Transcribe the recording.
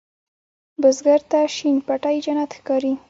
بزګر ته شین پټی جنت ښکاري